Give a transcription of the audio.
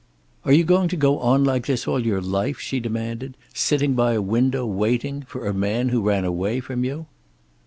"Are you going to go on like this all your life?" she demanded. "Sitting by a window, waiting? For a man who ran away from you?"